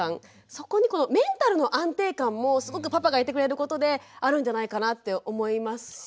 そこにこのメンタルの安定感もすごくパパがいてくれることであるんじゃないかなって思いますし。